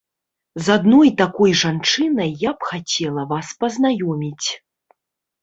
З адной такой жанчынай я б хацела вас пазнаёміць.